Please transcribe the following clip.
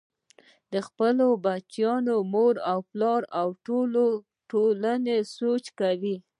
د خپلو بچو مور و پلار او ټولنې سوچ کوئ -